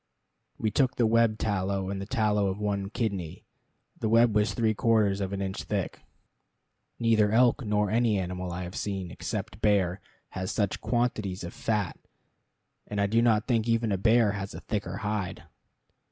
We took the web tallow, and the tallow of one kidney. The web was three quarters of an inch thick. Neither elk, nor any animal I have seen, except bear, has such quantities of fat, and I do not think even a bear has a thicker hide.